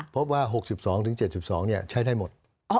พบว่า๖๒๗๒ใช้ได้หมด